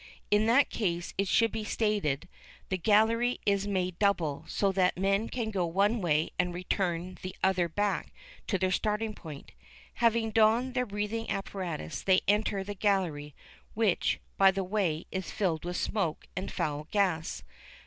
In that case, it should be stated, the gallery is made double, so that men can go one way and return the other back to their starting point. Having donned their breathing apparatus, they enter the gallery, which, by the way, is filled with smoke and foul gas.